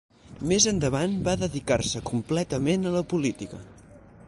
Més endavant va dedicar-se completament a la política.